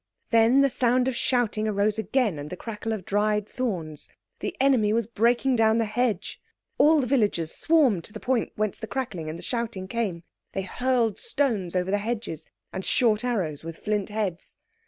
Then the sound of shouting arose again and the crackle of dried thorns. The enemy was breaking down the hedge. All the villagers swarmed to the point whence the crackling and the shouting came; they hurled stones over the hedges, and short arrows with flint heads.